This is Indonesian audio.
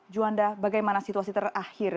juanda bagaimana situasi terakhir